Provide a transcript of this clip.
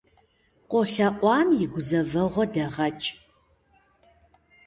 КъолъэӀуам и гузэвэгъуэ дэгъэкӀ.